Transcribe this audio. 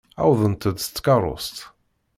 Wwḍent-d s tkeṛṛust.